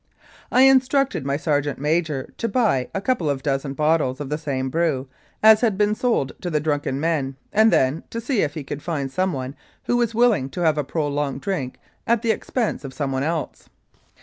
I instructed my sergeant major to buy a couple of dozen bottles of the same brew as had been sold to the drunken men, and then to see if he could find someone who was willing to have a prolonged drink at the ex pense of someone else.